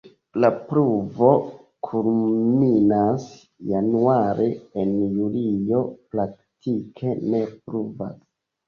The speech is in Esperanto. La pluvo kulminas januare, en julio praktike ne pluvas.